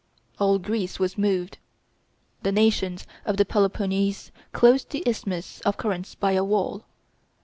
All Greece was moved. The nations of the Peloponnese closed the isthmus of Corinth by a wall.